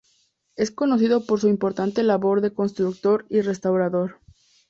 Es conocido por su importante labor de constructor y restaurador.